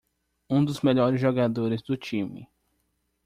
Um dos melhores jogadores do time.